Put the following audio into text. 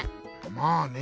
まあね。